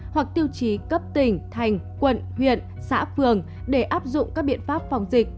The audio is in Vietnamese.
hoặc tiêu chí cấp tỉnh thành quận huyện xã phường để áp dụng các biện pháp phòng dịch